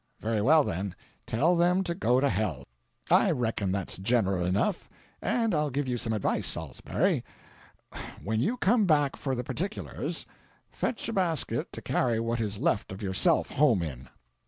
'Very well, then, tell them to go to hell I reckon that's general enough. And I'll give you some advice, Sawlsberry; when you come back for the particulars, fetch a basket to carry what is left of yourself home in.'"